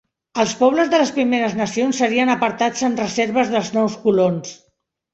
Els pobles de les Primeres Nacions serien apartats en reserves dels nous colons.